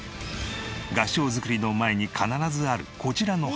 合掌造りの前に必ずあるこちらの箱。